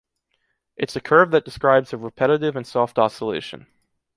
It’s a curve that describes a repetitive and soft oscillation.